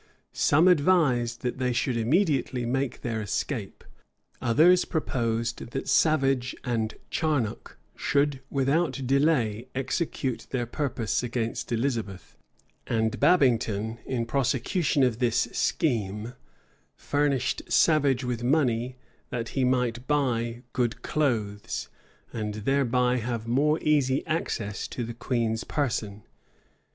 Some advised that they should immediately make their escape; others proposed that Savage and Charnoc should without delay execute their purpose against Elizabeth; and Babington, in prosecution of this scheme, furnished Savage with money, that he might buy good clothes, and thereby have more easy access to the queen's person.